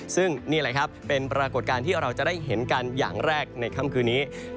ซึ่งนี่แหละครับเป็นปรากฏการณ์ที่เราจะได้เห็นกันอย่างแรกในค่ำคืนนี้